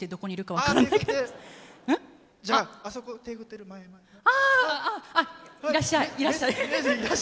いらっしゃい！